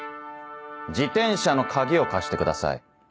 自転車の鍵を貸してください。